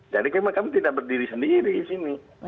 jadi kami tidak berdiri sendiri disini